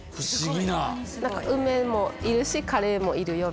梅もいるしカレーもいるよ！